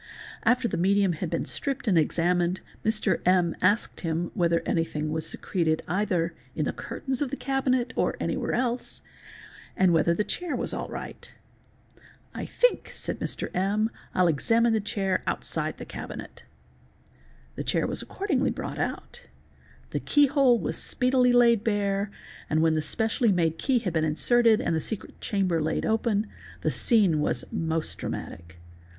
After the medium had been stripped and examined, Mr. M., asked him whether _ anything was secreted either in the curtains of the cabinet or anywhere else, and whether the chair was all right. 'I think,' said Mr. M., 'I'll © examine the chair outside the cabinet.' The chair was accordingly 7 brought out. The keyhole was speedily laid bare, and when the specially made key had been inserted and the secret chamber laid open, the scene _ was most dramatic.